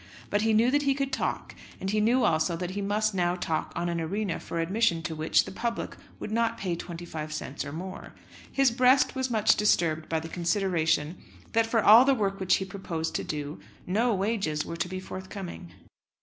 But he knew that he could talk, and he knew also that he must now talk on an arena for admission to which the public would not pay twenty five cents or more. His breast was much disturbed by the consideration that for all the work which he proposed to do no wages were to be forthcoming.